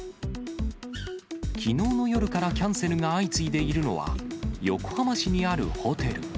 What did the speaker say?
きのうの夜からキャンセルが相次いでいるのは、横浜市にあるホテル。